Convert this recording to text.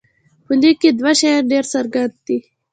په لیک کې دوه شیان ډېر څرګند دي.